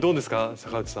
坂内さん。